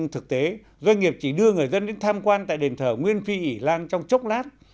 thực tế doanh nghiệp chỉ đưa người dân đến tham quan tại đền thờ nguyên phi ỉ lan trong chốc lát